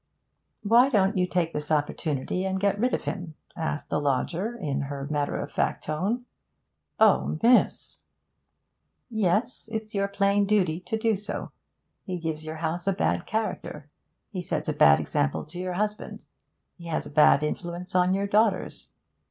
'Why don't you take this opportunity and get rid of him?' asked the lodger in her matter of fact tone. 'Oh, miss!' 'Yes, it's your plain duty to do so. He gives your house a bad character; he sets a bad example to your husband; he has a bad influence on your daughters.'